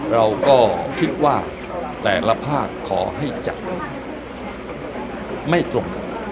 เราก็คิดว่าแต่ละภาคขอให้จัดไม่ตรงกัน